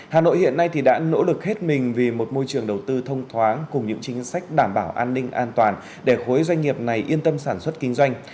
hà nội hiện nay đã nỗ lực hết mình vì một môi trường đầu tư thông thoáng cùng những chính sách đảm bảo an ninh an toàn để khối doanh nghiệp này yên tâm sản xuất kinh doanh